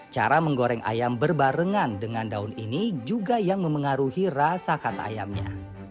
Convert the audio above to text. cara menggoreng ayam berbarengan dengan daun ini juga yang memengaruhi rasa khas ayamnya